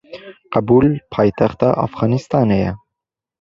Kabûl paytexta Efxanistanê ye.